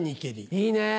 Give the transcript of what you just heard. いいねぇ。